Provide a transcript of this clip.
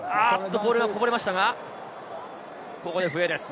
ボールがこぼれましたが、ここで笛です。